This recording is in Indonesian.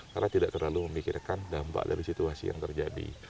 karena tidak terlalu memikirkan dampak dari situasi yang terjadi